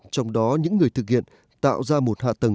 trong đó những người thực hiện tạo ra một hạ tầng